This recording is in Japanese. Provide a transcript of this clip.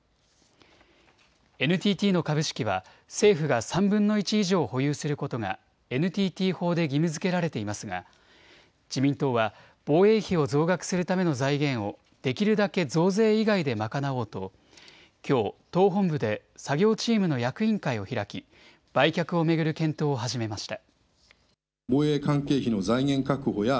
ＮＴＴの株式は政府が３分の１以上を保有することがＮＴＴ法で義務づけられていますが自民党は防衛費を増額するための財源をできるだけ増税以外で賄おうときょう党本部で作業チームの役員会を開き売却を巡る検討を始めました。